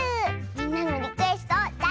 みんなのリクエストをだ